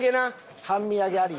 半身揚げありよ。